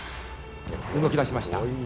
動きだしました。